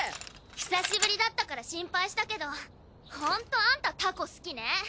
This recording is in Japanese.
久しぶりだったから心配したけどホントアンタたこ好きね。